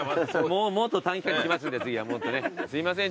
もっと短期間に来ますんで次は。すいません。